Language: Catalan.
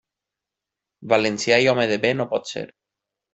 Valencià i home de bé, no pot ser.